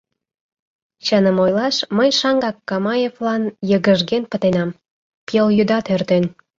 Чыным ойлаш, мый шаҥгак Камаевлан йыгыжген пытенам, пелйӱдат эртен.